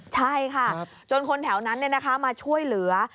ใช่ค่ะจนคนแถวนั้นมาช่วยเหลือ